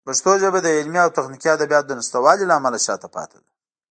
پښتو ژبه د علمي او تخنیکي ادبیاتو د نشتوالي له امله شاته پاتې ده.